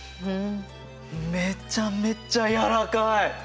めちゃめちゃ柔らかい！